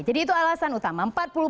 jadi itu alasan utama